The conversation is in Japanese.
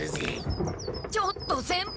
ちょっと先輩方！